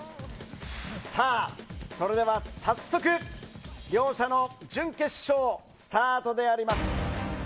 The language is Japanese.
さあ、それでは早速両者の準決勝スタートであります。